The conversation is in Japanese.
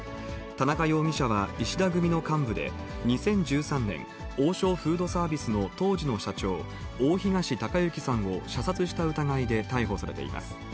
田中容疑者は石田組の幹部で、２０１３年、王将フードサービスの当時の社長、大東隆行さんを射殺した疑いで逮捕されています。